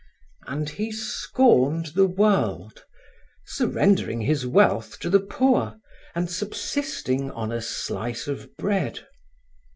And he scorned the world, surrendering his wealth to the poor and subsisting on a slice of bread.